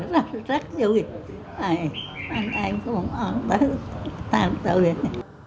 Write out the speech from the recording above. mẹ việt nam anh hùng lê thị phùng